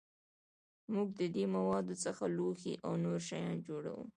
موږ د دې موادو څخه لوښي او نور شیان جوړوو.